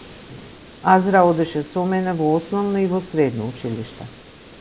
Азра одеше со мене во основно и во средно училиште.